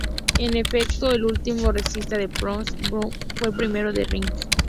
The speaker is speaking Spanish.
En efecto, el último recital de Pappo's Blues fue el primero de Riff.